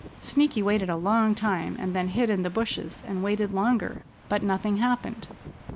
Sneaky waited a long time, and then hid in the bushes and waited longer. But nothing happened.